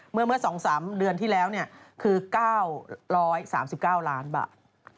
เมื่อ๒๓เดือนที่แล้วคือ๙๓๙ล้านบาท